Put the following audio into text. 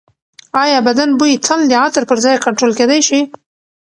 ایا بدن بوی تل د عطر پرځای کنټرول کېدی شي؟